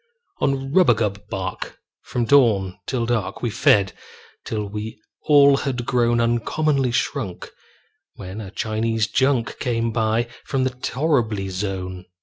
On rubagub bark, from dawn to dark, We fed, till we all had grown Uncommonly shrunk, when a Chinese junk Came by from the torriby zone.